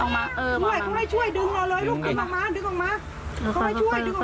เอามาเอามาเอามาเอามา